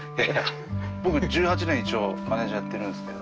僕１８年一応マネージャーやってるんですけど。